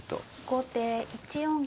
後手１四金。